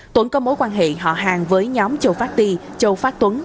tuấn có mối quan hệ họ hàng với nhóm châu phát ti châu phát tuấn